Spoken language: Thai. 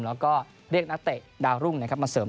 แล้วก็เรียก